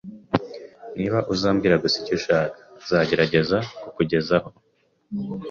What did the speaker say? Niba uzambwira gusa icyo ushaka, nzagerageza kukugezaho.